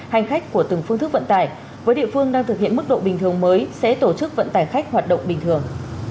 hành khách của từng phương thức vận tải với địa phương đang thực hiện mức độ bình thường mới sẽ tổ chức vận tải khách hoạt động bình thường